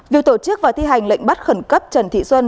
việc tổ chức và thi hành lệnh bắt khẩn cấp trần thị xuân